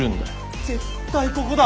絶対ここだ！